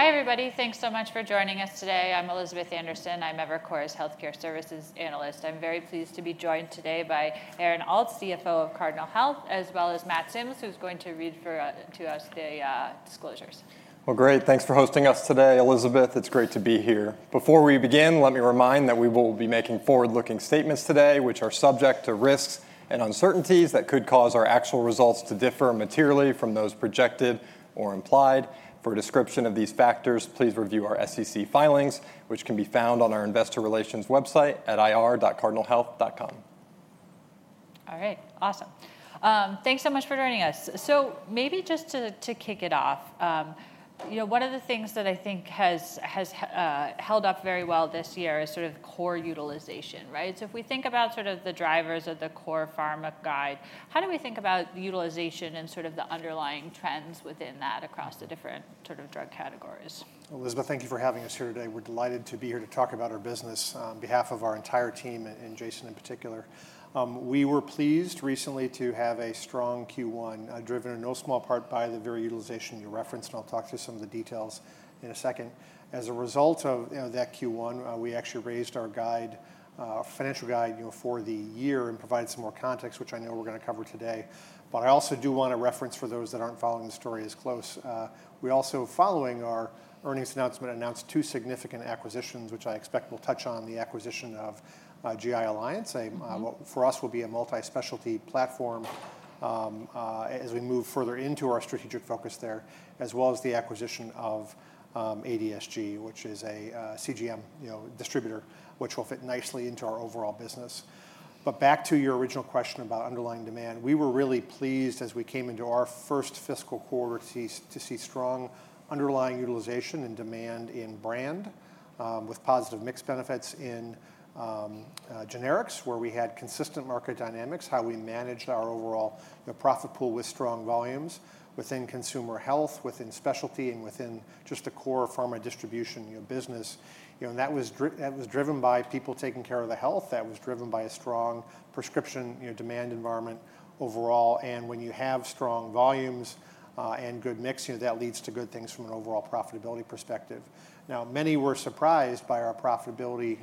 Hi, everybody. Thanks so much for joining us today. I'm Elizabeth Anderson. I'm Evercore's Healthcare Services Analyst. I'm very pleased to be joined today by Aaron Alt, CFO of Cardinal Health, as well as Matt Sims, who's going to read to us the disclosures. Great. Thanks for hosting us today, Elizabeth. It's great to be here. Before we begin, let me remind that we will be making forward-looking statements today, which are subject to risks and uncertainties that could cause our actual results to differ materially from those projected or implied. For a description of these factors, please review our SEC filings, which can be found on our Investor Relations website at irc.cardinalhealth.com. All right. Awesome. Thanks so much for joining us. So maybe just to kick it off, one of the things that I think has held up very well this year is sort of core utilization, right? So if we think about sort of the drivers of the core pharma guide, how do we think about utilization and sort of the underlying trends within that across the different sort of drug categories? Elizabeth, thank you for having us here today. We're delighted to be here to talk about our business on behalf of our entire team and Jason in particular. We were pleased recently to have a strong Q1, driven in no small part by the very utilization you referenced, and I'll talk to some of the details in a second. As a result of that Q1, we actually raised our financial guide for the year and provided some more context, which I know we're going to cover today. But I also do want to reference, for those that aren't following the story as close, we also, following our earnings announcement, announced two significant acquisitions, which I expect we'll touch on: the acquisition of GI Alliance, which for us will be a multi-specialty platform as we move further into our strategic focus there, as well as the acquisition of ADSG, which is a CGM distributor, which will fit nicely into our overall business, but back to your original question about underlying demand, we were really pleased as we came into our first fiscal quarter to see strong underlying utilization and demand in brand, with positive mix benefits in generics, where we had consistent market dynamics, how we managed our overall profit pool with strong volumes within consumer health, within specialty, and within just the core pharma distribution business, and that was driven by people taking care of the health. That was driven by a strong prescription demand environment overall. And when you have strong volumes and good mix, that leads to good things from an overall profitability perspective. Now, many were surprised by our profitability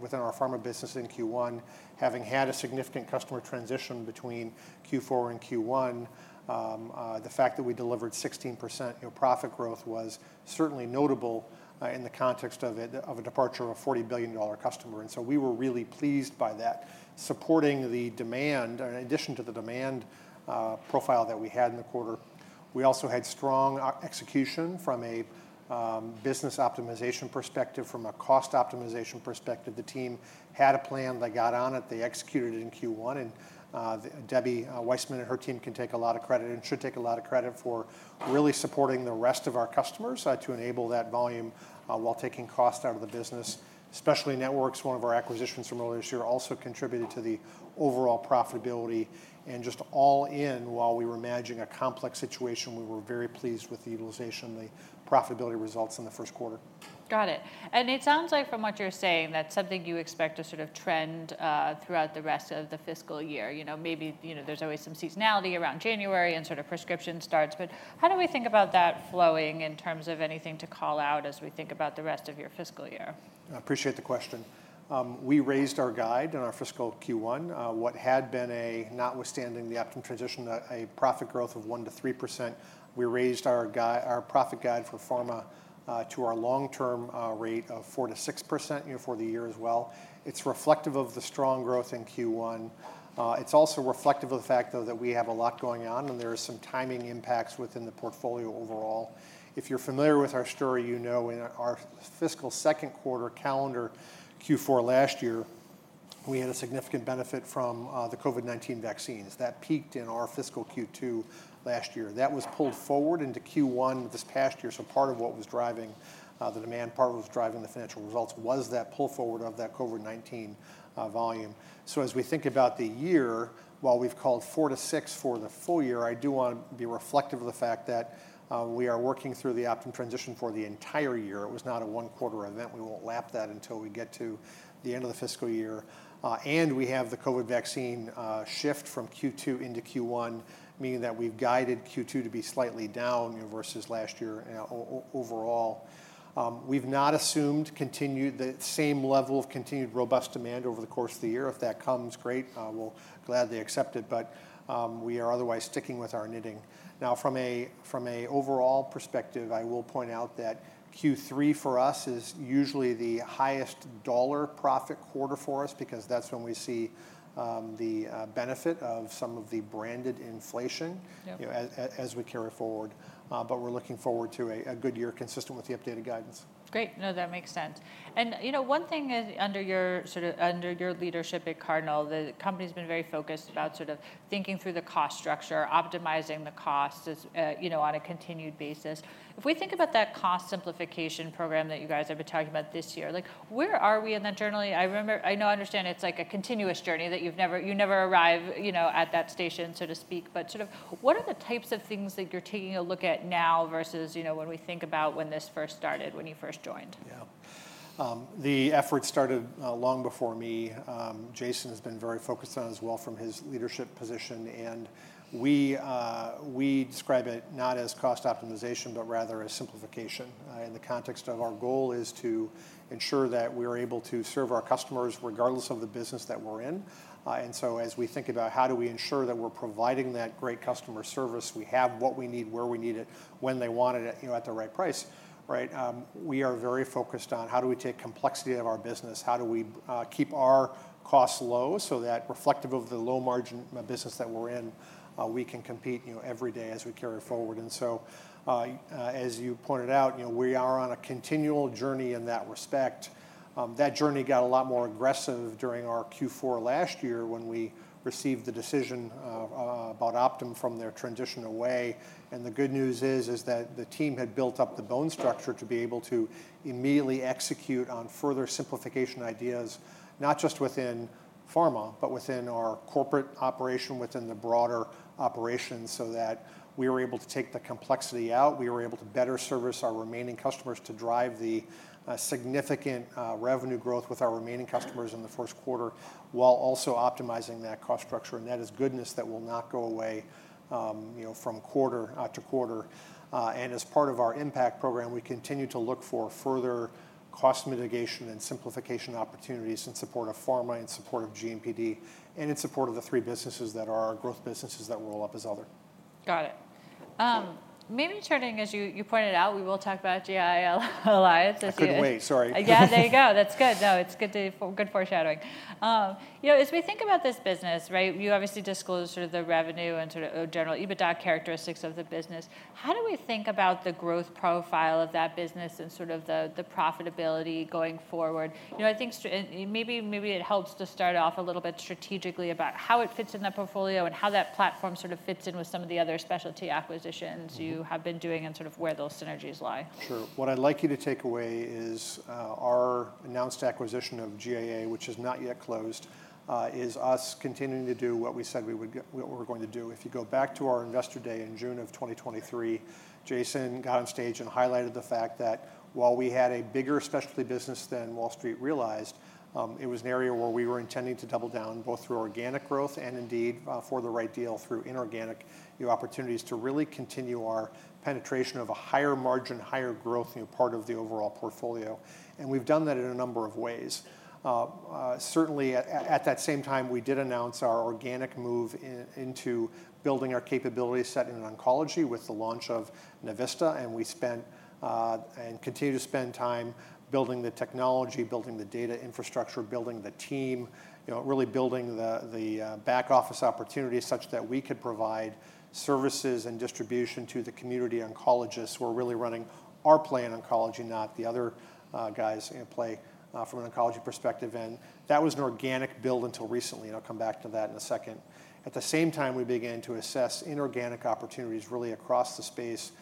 within our pharma business in Q1, having had a significant customer transition between Q4 and Q1. The fact that we delivered 16% profit growth was certainly notable in the context of a departure of a $40 billion customer. And so we were really pleased by that. Supporting the demand, in addition to the demand profile that we had in the quarter, we also had strong execution from a business optimization perspective, from a cost optimization perspective. The team had a plan. They got on it. They executed it in Q1. And Debbie Weitzman and her team can take a lot of credit and should take a lot of credit for really supporting the rest of our customers to enable that volume while taking cost out of the business. Specialty Networks, one of our acquisitions from earlier this year, also contributed to the overall profitability. And just all in, while we were managing a complex situation, we were very pleased with the utilization and the profitability results in the first quarter. Got it. And it sounds like, from what you're saying, that's something you expect to sort of trend throughout the rest of the fiscal year. Maybe there's always some seasonality around January and sort of prescription starts. But how do we think about that flowing in terms of anything to call out as we think about the rest of your fiscal year? I appreciate the question. We raised our guide in our fiscal Q1. What had been, notwithstanding the Optum transition, a profit growth of 1%-3%. We raised our profit guide for pharma to our long-term rate of 4%-6% for the year as well. It's reflective of the strong growth in Q1. It's also reflective of the fact, though, that we have a lot going on, and there are some timing impacts within the portfolio overall. If you're familiar with our story, you know in our fiscal second quarter calendar, Q4 last year, we had a significant benefit from the COVID-19 vaccines. That peaked in our fiscal Q2 last year. That was pulled forward into Q1 this past year. So part of what was driving the demand, part of what was driving the financial results, was that pull forward of that COVID-19 volume. As we think about the year, while we've called 4%-6% for the full year, I do want to be reflective of the fact that we are working through the Optum transition for the entire year. It was not a one-quarter event. We won't lap that until we get to the end of the fiscal year. We have the COVID vaccine shift from Q2 into Q1, meaning that we've guided Q2 to be slightly down versus last year overall. We've not assumed the same level of continued robust demand over the course of the year. If that comes, great. We're glad they accept it. But we are otherwise sticking with our knitting. Now, from an overall perspective, I will point out that Q3 for us is usually the highest dollar profit quarter for us, because that's when we see the benefit of some of the branded inflation as we carry forward. But we're looking forward to a good year consistent with the updated guidance. Great. No, that makes sense. And one thing under your leadership at Cardinal, the company's been very focused about sort of thinking through the cost structure, optimizing the costs on a continued basis. If we think about that cost simplification program that you guys have been talking about this year, where are we in that journey? I know, I understand it's like a continuous journey that you never arrive at that station, so to speak. But sort of what are the types of things that you're taking a look at now versus when we think about when this first started, when you first joined? Yeah. The effort started long before me. Jason has been very focused on it as well from his leadership position, and we describe it not as cost optimization, but rather as simplification, in the context of our goal is to ensure that we are able to serve our customers regardless of the business that we're in, and so as we think about how do we ensure that we're providing that great customer service, we have what we need, where we need it, when they want it at the right price, right? We are very focused on how do we take complexity of our business, how do we keep our costs low so that, reflective of the low-margin business that we're in, we can compete every day as we carry forward, and so as you pointed out, we are on a continual journey in that respect. That journey got a lot more aggressive during our Q4 last year when we received the decision about Optum from their transition away. And the good news is that the team had built up the bone structure to be able to immediately execute on further simplification ideas, not just within pharma, but within our corporate operation, within the broader operations, so that we were able to take the complexity out. We were able to better service our remaining customers to drive the significant revenue growth with our remaining customers in the first quarter, while also optimizing that cost structure. And that is goodness that will not go away from quarter to quarter. And as part of our impact program, we continue to look for further cost mitigation and simplification opportunities in support of pharma and in support of GMPD and in support of the three businesses that are our growth businesses that roll up as other. Got it. Maybe turning, as you pointed out, we will talk about GI Alliance this year. I couldn't wait. Sorry. Yeah, there you go. That's good. No, it's good foreshadowing. As we think about this business, right, you obviously disclosed sort of the revenue and sort of general EBITDA characteristics of the business. How do we think about the growth profile of that business and sort of the profitability going forward? I think maybe it helps to start off a little bit strategically about how it fits in the portfolio and how that platform sort of fits in with some of the other specialty acquisitions you have been doing and sort of where those synergies lie. Sure. What I'd like you to take away is our announced acquisition of GIA, which has not yet closed, is us continuing to do what we said we were going to do. If you go back to our Investor Day in June of 2023, Jason got on stage and highlighted the fact that while we had a bigger specialty business than Wall Street realized, it was an area where we were intending to double down both through organic growth and, indeed, for the right deal through inorganic opportunities to really continue our penetration of a higher margin, higher growth part of the overall portfolio. And we've done that in a number of ways. Certainly, at that same time, we did announce our organic move into building our capability set in oncology with the launch of Navista. We spent and continue to spend time building the technology, building the data infrastructure, building the team, really building the back office opportunities such that we could provide services and distribution to the community oncologists. We're really running our play in oncology, not the other guys' play from an oncology perspective. That was an organic build until recently. I'll come back to that in a second. At the same time, we began to assess inorganic opportunities really across the space.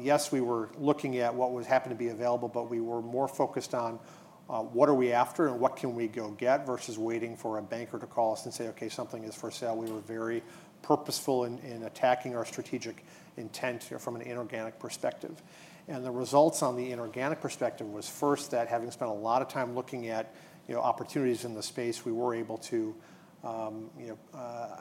Yes, we were looking at what was happening to be available, but we were more focused on what are we after and what can we go get versus waiting for a banker to call us and say, "Okay, something is for sale." We were very purposeful in attacking our strategic intent from an inorganic perspective. And the results on the inorganic perspective was first that, having spent a lot of time looking at opportunities in the space, we were able to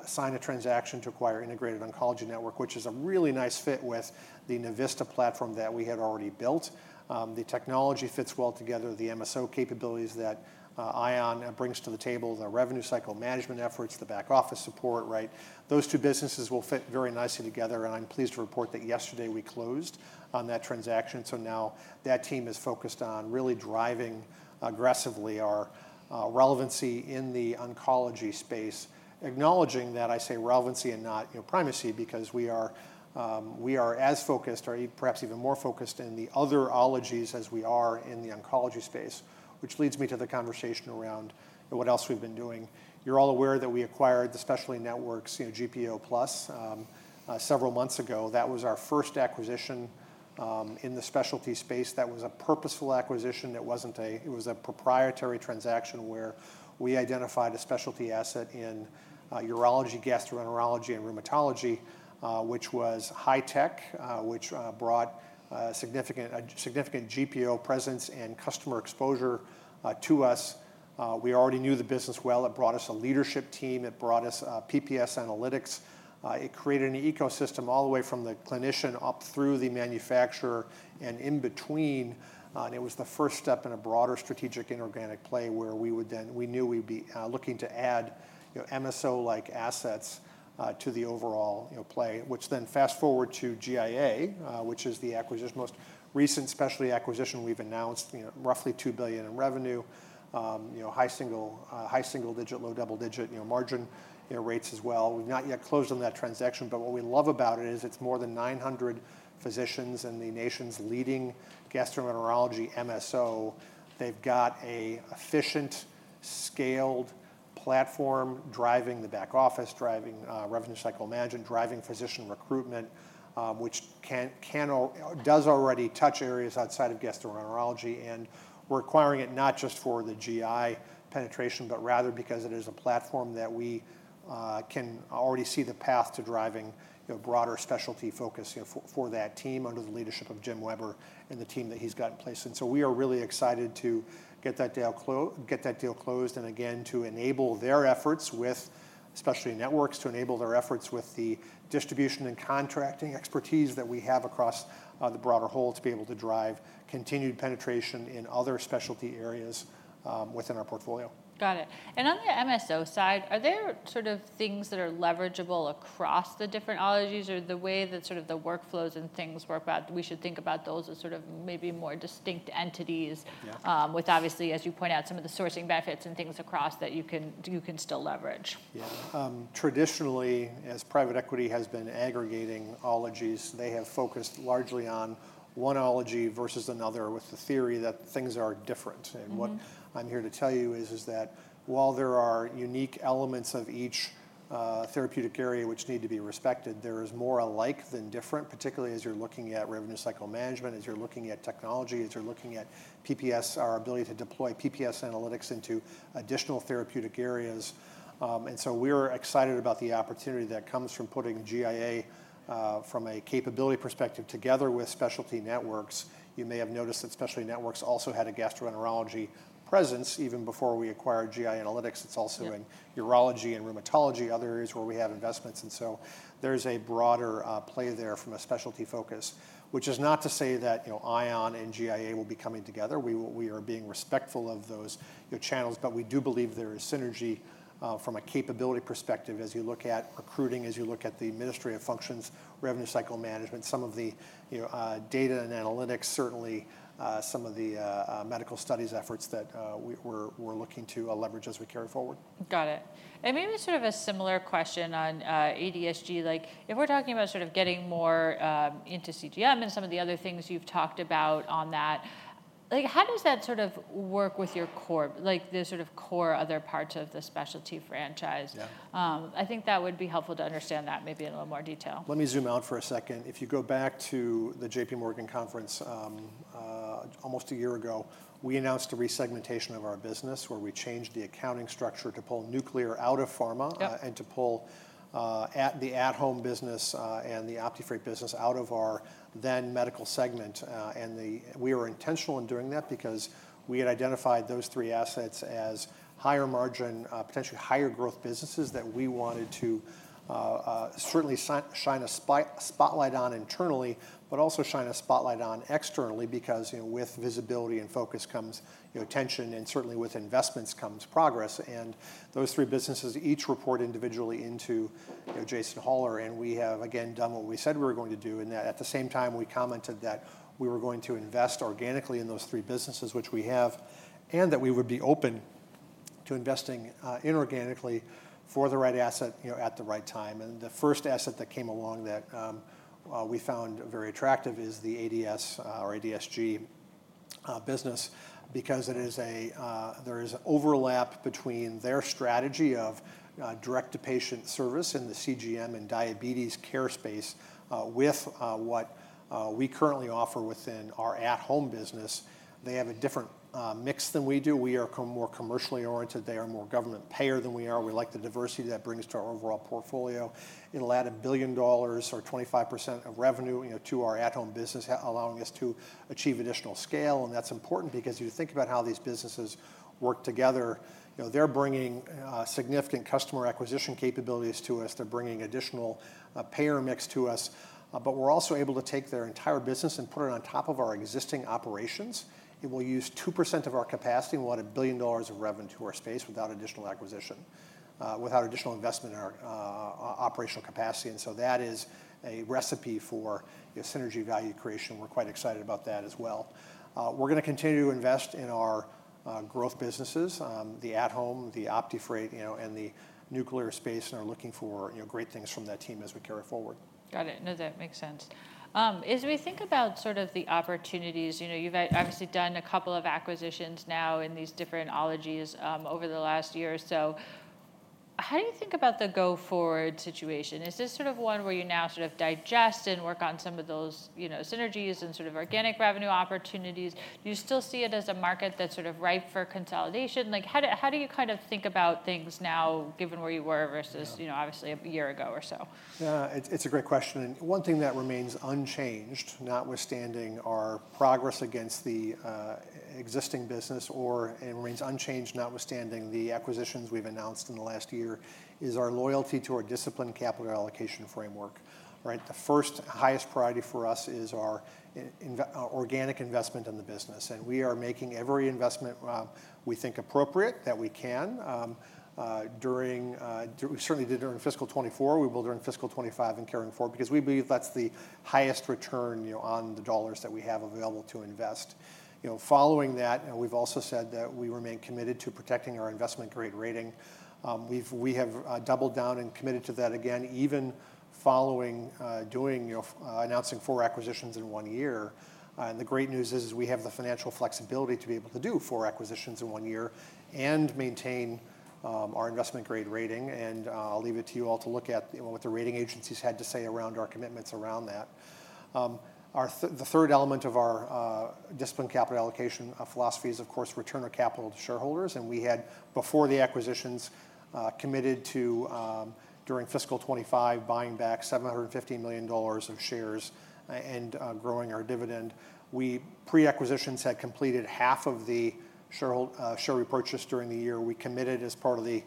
sign a transaction to acquire Integrated Oncology Network, which is a really nice fit with the Navista platform that we had already built. The technology fits well together, the MSO capabilities that ION brings to the table, the revenue cycle management efforts, the back office support, right? Those two businesses will fit very nicely together. And I'm pleased to report that yesterday we closed on that transaction. So now that team is focused on really driving aggressively our relevancy in the oncology space, acknowledging that I say relevancy and not primacy because we are as focused, or perhaps even more focused in the other ologies as we are in the oncology space, which leads me to the conversation around what else we've been doing. You're all aware that we acquired the Specialty Networks and GPO Plus several months ago. That was our first acquisition in the specialty space. That was a purposeful acquisition. It was a proprietary transaction where we identified a specialty asset in urology, gastroenterology, and rheumatology, which was high tech, which brought a significant GPO presence and customer exposure to us. We already knew the business well. It brought us a leadership team. It brought us PPS Analytics. It created an ecosystem all the way from the clinician up through the manufacturer and in between, and it was the first step in a broader strategic inorganic play where we knew we'd be looking to add MSO-like assets to the overall play, which then fast forward to GIA, which is the most recent specialty acquisition we've announced, roughly $2 billion in revenue, high single-digit, low double-digit margin rates as well. We've not yet closed on that transaction, but what we love about it is it's more than 900 physicians in the nation's leading gastroenterology MSO. They've got an efficient, scaled platform driving the back office, driving revenue cycle management, driving physician recruitment, which does already touch areas outside of gastroenterology. We're acquiring it not just for the GI penetration, but rather because it is a platform that we can already see the path to driving a broader specialty focus for that team under the leadership of Jim Weber and the team that he's got in place. So we are really excited to get that deal closed and, again, to enable their efforts with Specialty Networks, to enable their efforts with the distribution and contracting expertise that we have across the broader whole to be able to drive continued penetration in other specialty areas within our portfolio. Got it. And on the MSO side, are there sort of things that are leverageable across the different ologies or the way that sort of the workflows and things work about we should think about those as sort of maybe more distinct entities with, obviously, as you point out, some of the sourcing benefits and things across that you can still leverage? Yeah. Traditionally, as private equity has been aggregating ologies, they have focused largely on one ology versus another with the theory that things are different, and what I'm here to tell you is that while there are unique elements of each therapeutic area which need to be respected, there is more alike than different, particularly as you're looking at revenue cycle management, as you're looking at technology, as you're looking at PPS, our ability to deploy PPS Analytics into additional therapeutic areas, and so we're excited about the opportunity that comes from putting GIA from a capability perspective together with Specialty Networks. You may have noticed that Specialty Networks also had a gastroenterology presence even before we acquired GI Alliance. It's also in urology and rheumatology, other areas where we have investments. And so there's a broader play there from a specialty focus, which is not to say that ION and GIA will be coming together. We are being respectful of those channels. But we do believe there is synergy from a capability perspective as you look at recruiting, as you look at the IT functions, revenue cycle management, some of the data and analytics, certainly some of the medical studies efforts that we're looking to leverage as we carry forward. Got it. And maybe sort of a similar question on ADSG. If we're talking about sort of getting more into CGM and some of the other things you've talked about on that, how does that sort of work with your core, the sort of core other parts of the specialty franchise? I think that would be helpful to understand that maybe in a little more detail. Let me zoom out for a second. If you go back to the JPMorgan conference almost a year ago, we announced a resegmentation of our business where we changed the accounting structure to pull Nuclear out of pharma and to pull the At-Home business and the OptiFreight business out of our then medical segment, and we were intentional in doing that because we had identified those three assets as higher margin, potentially higher growth businesses that we wanted to certainly shine a spotlight on internally, but also shine a spotlight on externally because with visibility and focus comes attention, and certainly with investments comes progress, and those three businesses each report individually into Jason Hollar, and we have, again, done what we said we were going to do. At the same time, we commented that we were going to invest organically in those three businesses, which we have, and that we would be open to investing inorganically for the right asset at the right time. And the first asset that came along that we found very attractive is the ADS or ADSG business because there is an overlap between their strategy of direct-to-patient service in the CGM and diabetes care space with what we currently offer within our At-Home business. They have a different mix than we do. We are more commercially oriented. They are more government payer than we are. We like the diversity that brings to our overall portfolio. It'll add $1 billion or 25% of revenue to our At-Home business, allowing us to achieve additional scale. And that's important because you think about how these businesses work together. They're bringing significant customer acquisition capabilities to us. They're bringing additional payer mix to us. But we're also able to take their entire business and put it on top of our existing operations. It will use 2% of our capacity and will add $1 billion of revenue to our space without additional acquisition, without additional investment in our operational capacity. And so that is a recipe for synergy value creation. We're quite excited about that as well. We're going to continue to invest in our growth businesses, the At-Home, the OptiFreight, and the Nuclear space, and are looking for great things from that team as we carry forward. Got it. No, that makes sense. As we think about sort of the opportunities, you've obviously done a couple of acquisitions now in these different ologies over the last year or so. How do you think about the go-forward situation? Is this sort of one where you now sort of digest and work on some of those synergies and sort of organic revenue opportunities? Do you still see it as a market that's sort of ripe for consolidation? How do you kind of think about things now, given where you were versus obviously a year ago or so? It's a great question. And one thing that remains unchanged, notwithstanding our progress against the existing business, notwithstanding the acquisitions we've announced in the last year, is our loyalty to our disciplined capital allocation framework, right? The first highest priority for us is our organic investment in the business. And we are making every investment we think appropriate that we can. We certainly did during fiscal 2024. We will during fiscal 2025 and carrying forward because we believe that's the highest return on the dollars that we have available to invest. Following that, we've also said that we remain committed to protecting our investment grade rating. We have doubled down and committed to that again, even following announcing four acquisitions in one year. The great news is we have the financial flexibility to be able to do four acquisitions in one year and maintain our investment grade rating. I'll leave it to you all to look at what the rating agencies had to say around our commitments around that. The third element of our disciplined capital allocation philosophy is, of course, return of capital to shareholders. We had, before the acquisitions, committed to, during fiscal 2025, buying back $750 million of shares and growing our dividend. Pre-acquisitions, we had completed $375 million of the share repurchase during the year. We committed, as part of the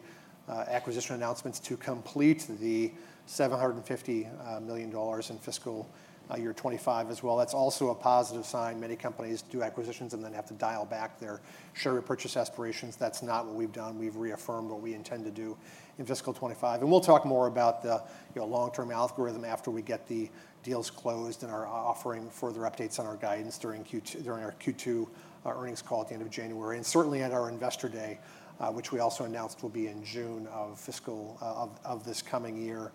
acquisition announcements, to complete the $750 million in fiscal year 2025 as well. That's also a positive sign. Many companies do acquisitions and then have to dial back their share repurchase aspirations. That's not what we've done. We've reaffirmed what we intend to do in fiscal 2025. We'll talk more about the long-term algorithm after we get the deals closed and are offering further updates on our guidance during our Q2 earnings call at the end of January and certainly at our Investor Day, which we also announced will be in June of this coming year.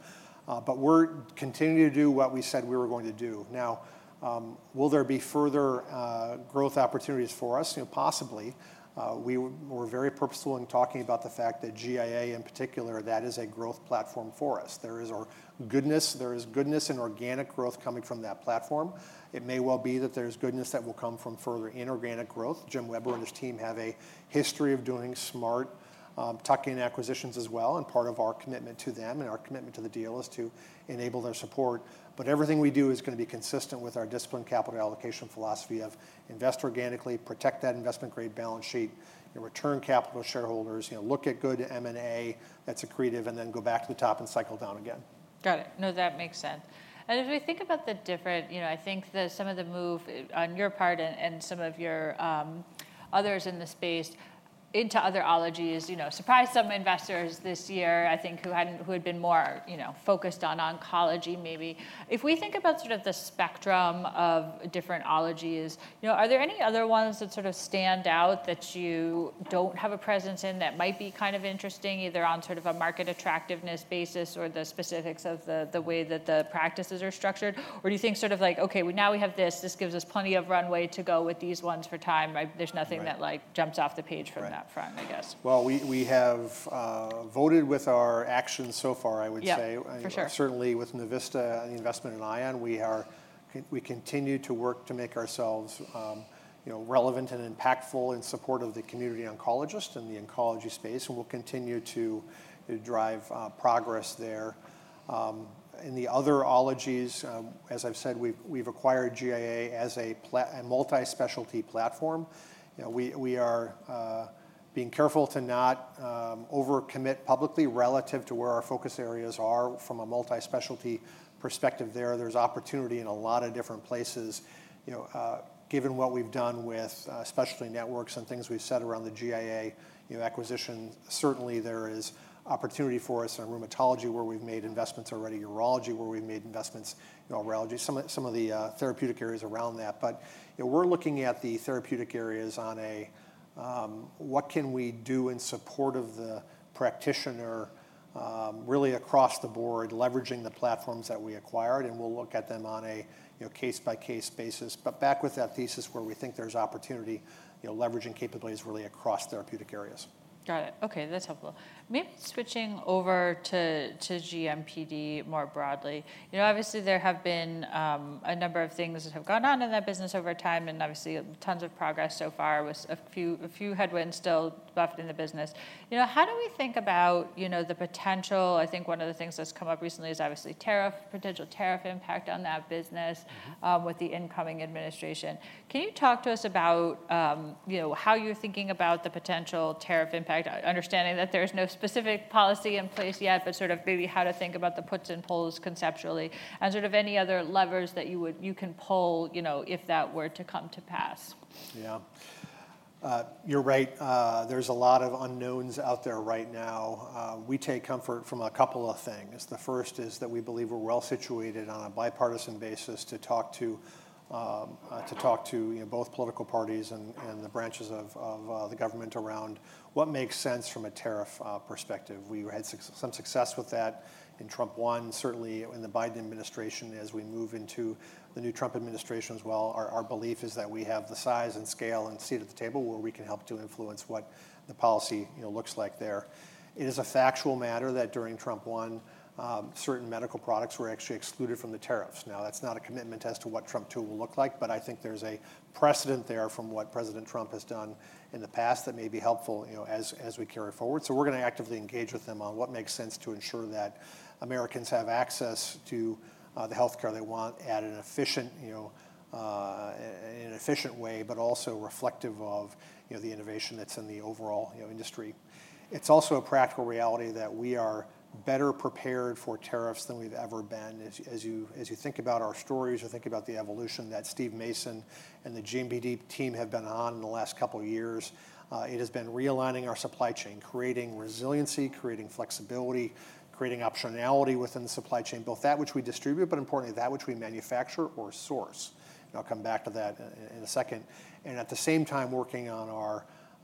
We're continuing to do what we said we were going to do. Now, will there be further growth opportunities for us? Possibly. We were very purposeful in talking about the fact that GIA, in particular, that is a growth platform for us. There is goodness. There is goodness in organic growth coming from that platform. It may well be that there's goodness that will come from further inorganic growth. Jim Weber and his team have a history of doing smart tuck-in acquisitions as well. And part of our commitment to them and our commitment to the deal is to enable their support. But everything we do is going to be consistent with our disciplined capital allocation philosophy of invest organically, protect that investment grade balance sheet, return capital to shareholders, look at good M&A that's accretive, and then go back to the top and cycle down again. Got it. No, that makes sense and as we think about the different, I think that some of the move on your part and some of your others in the space into other ologies surprised some investors this year, I think, who had been more focused on oncology maybe. If we think about sort of the spectrum of different ologies, are there any other ones that sort of stand out that you don't have a presence in that might be kind of interesting, either on sort of a market attractiveness basis or the specifics of the way that the practices are structured? Or do you think sort of like, okay, now we have this. This gives us plenty of runway to go with these ones for time. There's nothing that jumps off the page from that front, I guess. We have voted with our actions so far, I would say. Yeah, for sure. Certainly with Navista and the investment in ION, we continue to work to make ourselves relevant and impactful in support of the community oncologist and the oncology space, and we'll continue to drive progress there. In the other ologies, as I've said, we've acquired GIA as a multi-specialty platform. We are being careful to not overcommit publicly relative to where our focus areas are from a multi-specialty perspective there. There's opportunity in a lot of different places. Given what we've done with Specialty Networks and things we've said around the GIA acquisition, certainly there is opportunity for us in rheumatology, where we've made investments already, urology, where we've made investments, neurology, some of the therapeutic areas around that, but we're looking at the therapeutic areas on a what can we do in support of the practitioner really across the board, leveraging the platforms that we acquired. And we'll look at them on a case-by-case basis. But back with that thesis where we think there's opportunity, leveraging capabilities really across therapeutic areas. Got it. Okay, that's helpful. Maybe switching over to GMPD more broadly. Obviously, there have been a number of things that have gone on in that business over time and obviously tons of progress so far with a few headwinds still buffeting the business. How do we think about the potential? I think one of the things that's come up recently is obviously potential tariff impact on that business with the incoming administration. Can you talk to us about how you're thinking about the potential tariff impact, understanding that there's no specific policy in place yet, but sort of maybe how to think about the puts and takes conceptually and sort of any other levers that you can pull if that were to come to pass? Yeah. You're right. There's a lot of unknowns out there right now. We take comfort from a couple of things. The first is that we believe we're well situated on a bipartisan basis to talk to both political parties and the branches of the government around what makes sense from a tariff perspective. We had some success with that in Trump one, certainly in the Biden administration as we move into the new Trump administration as well. Our belief is that we have the size and scale and seat at the table where we can help to influence what the policy looks like there. It is a factual matter that during Trump one, certain medical products were actually excluded from the tariffs. Now, that's not a commitment as to what Trump two will look like, but I think there's a precedent there from what President Trump has done in the past that may be helpful as we carry forward. So we're going to actively engage with them on what makes sense to ensure that Americans have access to the healthcare they want in an efficient way, but also reflective of the innovation that's in the overall industry. It's also a practical reality that we are better prepared for tariffs than we've ever been. As you think about our stories or think about the evolution that Steve Mason and the GMPD team have been on in the last couple of years, it has been realigning our supply chain, creating resiliency, creating flexibility, creating optionality within the supply chain, both that which we distribute, but importantly, that which we manufacture or source. I'll come back to that in a second, and at the same time, working on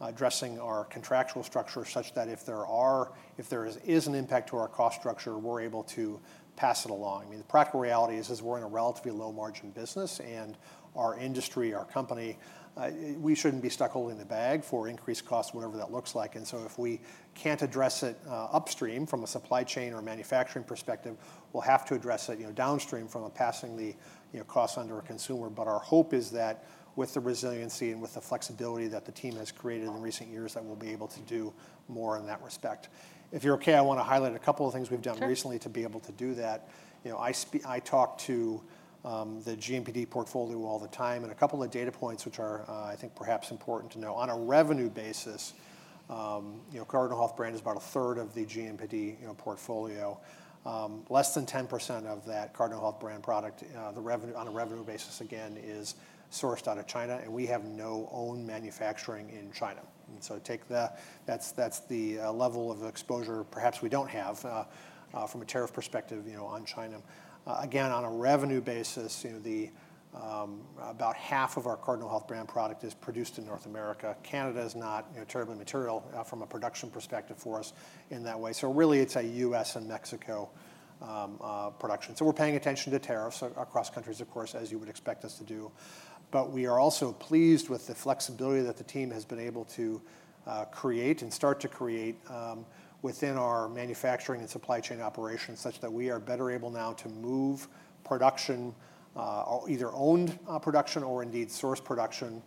addressing our contractual structure such that if there is an impact to our cost structure, we're able to pass it along. I mean, the practical reality is we're in a relatively low-margin business and our industry, our company, we shouldn't be stuck holding the bag for increased costs, whatever that looks like, and so if we can't address it upstream from a supply chain or manufacturing perspective, we'll have to address it downstream from passing the cost under a consumer, but our hope is that with the resiliency and with the flexibility that the team has created in recent years, that we'll be able to do more in that respect. If you're okay, I want to highlight a couple of things we've done recently to be able to do that. I talk to the GMPD portfolio all the time and a couple of data points, which are I think perhaps important to know. On a revenue basis, Cardinal Health Brand is about a third of the GMPD portfolio. Less than 10% of that Cardinal Health Brand product on a revenue basis, again, is sourced out of China, and we have no own manufacturing in China, and so take that. That's the level of exposure perhaps we don't have from a tariff perspective on China. Again, on a revenue basis, about half of our Cardinal Health Brand product is produced in North America. Canada is not terribly material from a production perspective for us in that way, so really, it's a U.S. and Mexico production, so we're paying attention to tariffs across countries, of course, as you would expect us to do. But we are also pleased with the flexibility that the team has been able to create and start to create within our manufacturing and supply chain operations such that we are better able now to move production, either owned production or indeed sourced production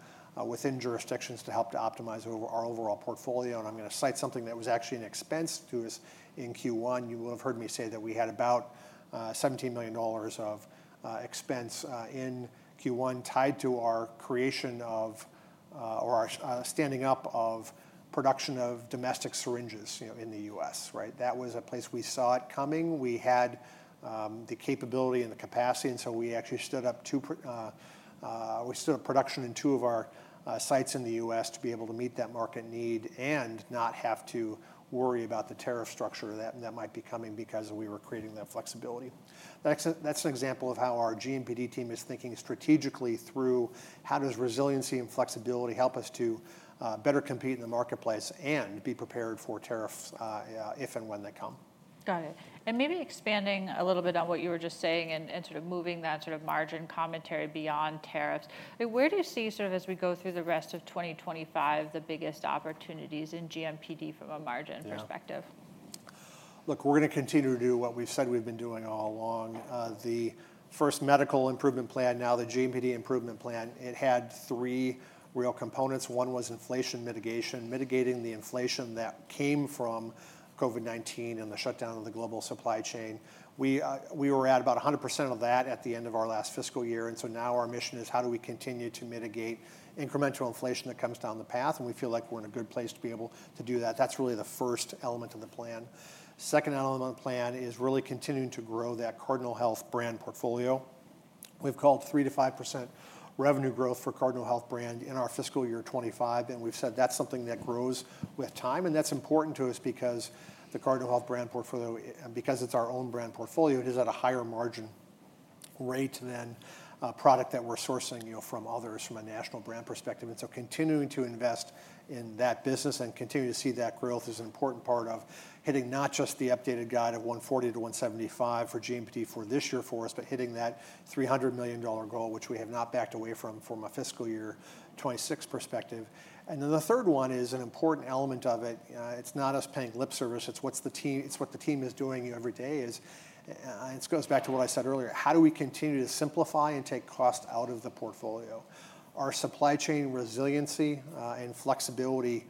within jurisdictions to help to optimize our overall portfolio. And I'm going to cite something that was actually an expense to us in Q1. You will have heard me say that we had about $17 million of expense in Q1 tied to our creation of or our standing up of production of domestic syringes in the U.S., right? That was a place we saw it coming. We had the capability and the capacity. And so we actually stood up production in two of our sites in the U.S. to be able to meet that market need and not have to worry about the tariff structure that might be coming because we were creating that flexibility. That's an example of how our GMPD team is thinking strategically through how does resiliency and flexibility help us to better compete in the marketplace and be prepared for tariffs if and when they come. Got it. And maybe expanding a little bit on what you were just saying and sort of moving that sort of margin commentary beyond tariffs. Where do you see sort of as we go through the rest of 2025, the biggest opportunities in GMPD from a margin perspective? Look, we're going to continue to do what we've said we've been doing all along. The first medical improvement plan, now the GMPD improvement plan, it had three real components. One was inflation mitigation, mitigating the inflation that came from COVID-19 and the shutdown of the global supply chain. We were at about 100% of that at the end of our last fiscal year. And so now our mission is how do we continue to mitigate incremental inflation that comes down the path? And we feel like we're in a good place to be able to do that. That's really the first element of the plan. Second element of the plan is really continuing to grow that Cardinal Health Brand portfolio. We've called 3%-5% revenue growth for Cardinal Health Brand in our fiscal year 2025. And we've said that's something that grows with time. And that's important to us because the Cardinal Health Brand portfolio, because it's our own brand portfolio, it is at a higher margin rate than a product that we're sourcing from others from a national brand perspective. And so continuing to invest in that business and continue to see that growth is an important part of hitting not just the updated guide of 140-175 for GMPD for this year for us, but hitting that $300 million goal, which we have not backed away from from a fiscal year 2026 perspective. And then the third one is an important element of it. It's not us paying lip service. It's what the team is doing every day. And it goes back to what I said earlier. How do we continue to simplify and take cost out of the portfolio? Our supply chain resiliency and flexibility,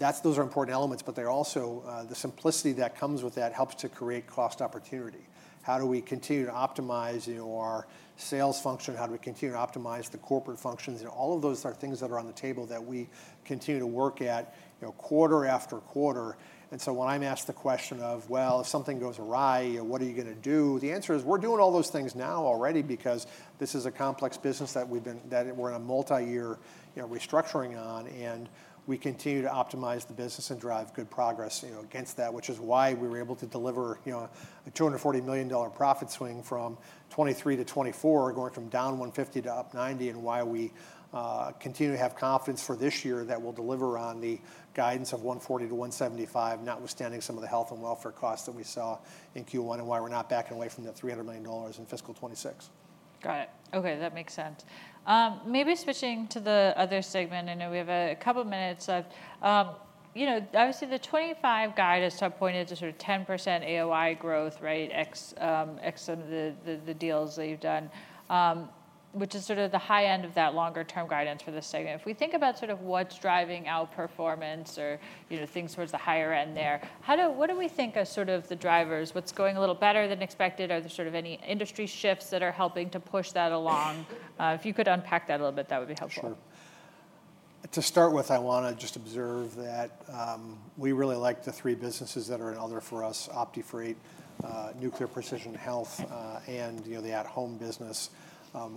those are important elements, but they're also the simplicity that comes with that helps to create cost opportunity. How do we continue to optimize our sales function? How do we continue to optimize the corporate functions? All of those are things that are on the table that we continue to work at quarter after quarter. And so when I'm asked the question of, well, if something goes awry, what are you going to do? The answer is we're doing all those things now already because this is a complex business that we're in a multi-year restructuring on. We continue to optimize the business and drive good progress against that, which is why we were able to deliver a $240 million profit swing from 2023 to 2024, going from down 150 to up 90, and why we continue to have confidence for this year that we'll deliver on the guidance of 140 to 175, notwithstanding some of the health and welfare costs that we saw in Q1 and why we're not backing away from that $300 million in fiscal 2026. Got it. Okay, that makes sense. Maybe switching to the other segment. I know we have a couple of minutes left. Obviously, the 25 guide has pointed to sort of 10% AOI growth, right, ex some of the deals that you've done, which is sort of the high end of that longer-term guidance for the segment. If we think about sort of what's driving outperformance or things towards the higher end there, what do we think are sort of the drivers? What's going a little better than expected? Are there sort of any industry shifts that are helping to push that along? If you could unpack that a little bit, that would be helpful. Sure. To start with, I want to just observe that we really like the three businesses that are in other for us: OptiFreight, Nuclear Precision Health, and the At-Home business.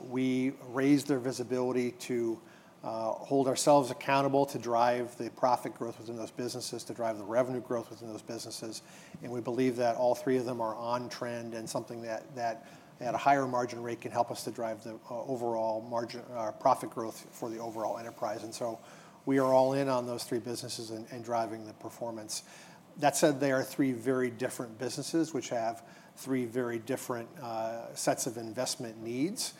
We raised their visibility to hold ourselves accountable to drive the profit growth within those businesses, to drive the revenue growth within those businesses. And we believe that all three of them are on trend and something that at a higher margin rate can help us to drive the overall profit growth for the overall enterprise. And so we are all in on those three businesses and driving the performance. That said, they are three very different businesses, which have three very different sets of investment needs,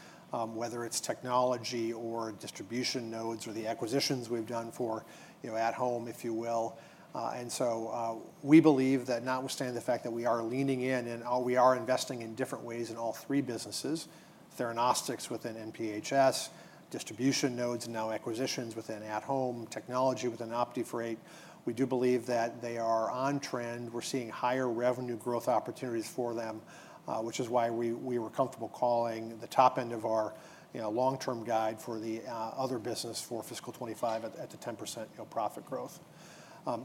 whether it's technology or distribution nodes or the acquisitions we've done for at home, if you will. We believe that notwithstanding the fact that we are leaning in and we are investing in different ways in all three businesses: Theranostics within NPHS, distribution nodes, and now acquisitions within At-Home technology within OptiFreight. We do believe that they are on trend. We're seeing higher revenue growth opportunities for them, which is why we were comfortable calling the top end of our long-term guide for the other business for fiscal 2025 at the 10% profit growth.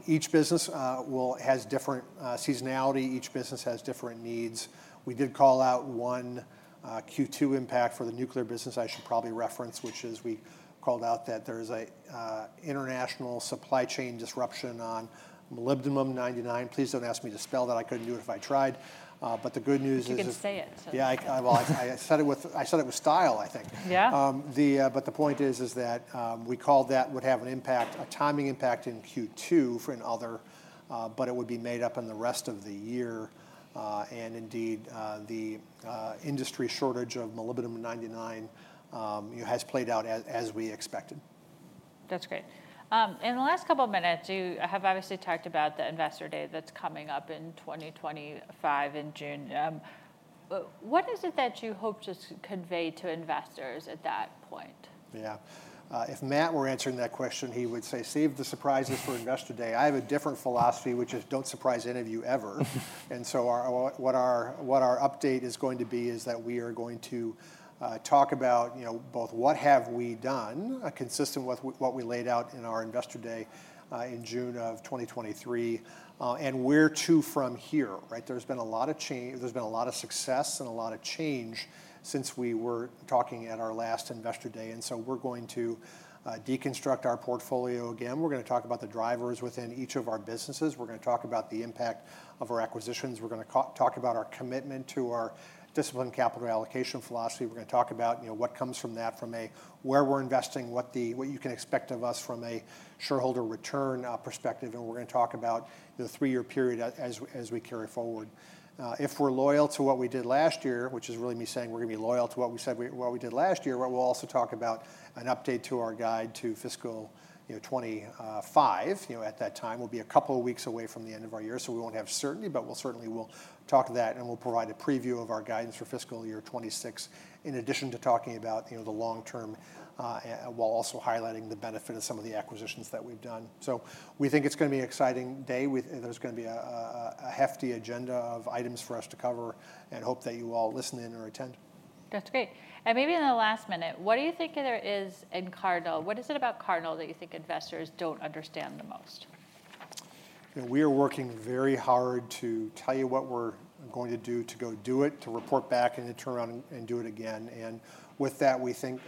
Each business has different seasonality. Each business has different needs. We did call out one Q2 impact for the Nuclear business I should probably reference, which is we called out that there is an international supply chain disruption on molybdenum-99. Please don't ask me to spell that. I couldn't do it if I tried. But the good news is. You can say it. Yeah, well, I said it with style, I think. But the point is that we called that would have an impact, a timing impact in Q2 for OptiFreight, but it would be made up in the rest of the year. And indeed, the industry shortage of Molybdenum-99 has played out as we expected. That's great. In the last couple of minutes, you have obviously talked about the Investor Day that's coming up in 2025 in June. What is it that you hope to convey to investors at that point? Yeah. If Matt were answering that question, he would say, "Save the surprises for Investor Day." I have a different philosophy, which is don't surprise any of you ever. And so what our update is going to be is that we are going to talk about both what have we done consistent with what we laid out in our Investor Day in June of 2023, and where to from here, right? There's been a lot of change. There's been a lot of success and a lot of change since we were talking at our last Investor Day. And so we're going to deconstruct our portfolio again. We're going to talk about the drivers within each of our businesses. We're going to talk about the impact of our acquisitions. We're going to talk about our commitment to our disciplined capital allocation philosophy. We're going to talk about what comes from that from a where we're investing, what you can expect of us from a shareholder return perspective. And we're going to talk about the three-year period as we carry forward. If we're loyal to what we did last year, which is really me saying we're going to be loyal to what we said what we did last year, we'll also talk about an update to our guidance for fiscal 2025 at that time. We'll be a couple of weeks away from the end of our year, so we won't have certainty, but we'll certainly talk of that and we'll provide a preview of our guidance for fiscal year 2026 in addition to talking about the long term while also highlighting the benefit of some of the acquisitions that we've done. So we think it's going to be an exciting day. There's going to be a hefty agenda of items for us to cover, and hope that you all listen in or attend. That's great. And maybe in the last minute, what do you think there is in Cardinal? What is it about Cardinal that you think investors don't understand the most? We are working very hard to tell you what we're going to do to go do it, to report back and turn around and do it again, and with that, we think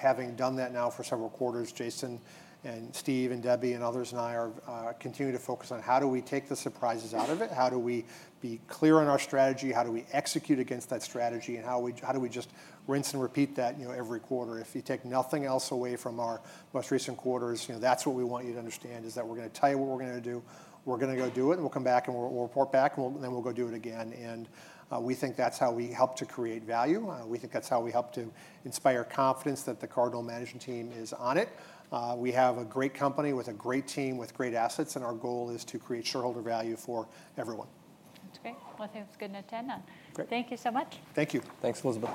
having done that now for several quarters, Jason and Steve and Debbie and others and I are continuing to focus on how do we take the surprises out of it? How do we be clear on our strategy? How do we execute against that strategy? And how do we just rinse and repeat that every quarter? If you take nothing else away from our most recent quarters, that's what we want you to understand is that we're going to tell you what we're going to do. We're going to go do it and we'll come back and we'll report back and then we'll go do it again, and we think that's how we help to create value. We think that's how we help to inspire confidence that the Cardinal management team is on it. We have a great company with a great team with great assets. And our goal is to create shareholder value for everyone. That's great. Well, I think it's good to end on. Thank you so much. Thank you. Thanks, Elizabeth.